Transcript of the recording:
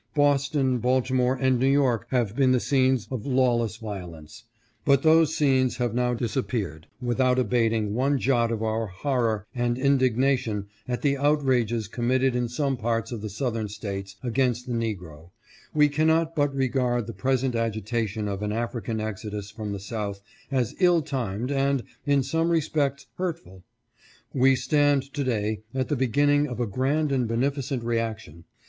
Boston, Baltimore, and New York have been the scenes of lawless violence; but those scenes have now disappeared Without abating one jot of our horror and indignation at the outrages com mitted in some parts of the Southern States against the negro, we cannot but regard the present agitation of an African exodus from the South as ill timed and, in some respects, hurtful. We stand to day at the beginning of a grand and beneficent reaction.